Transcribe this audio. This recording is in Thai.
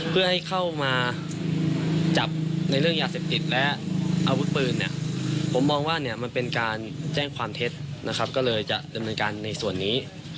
เพื่อให้เข้ามาจับในเรื่องยาเสพติดและอาวุธปืนเนี่ยผมมองว่าเนี่ยมันเป็นการแจ้งความเท็จนะครับก็เลยจะดำเนินการในส่วนนี้